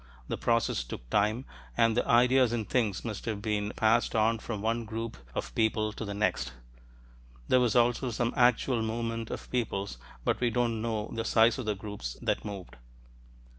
The process took time, and the ideas and things must have been passed on from one group of people to the next. There was also some actual movement of peoples, but we don't know the size of the groups that moved.